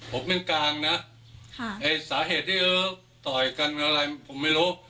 ผมเป็นกลางนะไอ้สาเหตุที่เออต่อยกันอะไรผมไม่รู้